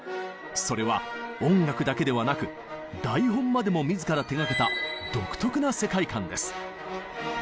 それは音楽だけではなく台本までも自ら手がけた独特な世界観です。